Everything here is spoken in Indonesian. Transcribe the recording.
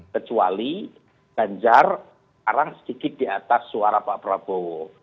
kecuali ganjar sekarang sedikit di atas suara pak prabowo